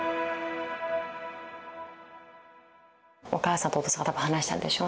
お母さんとお父さんは多分話したんでしょうね。